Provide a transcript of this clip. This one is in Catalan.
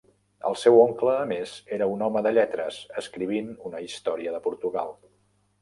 El seu oncle, a més, era un home de lletres, escrivint una història de Portugal.